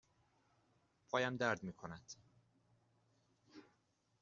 پایم درد می کند.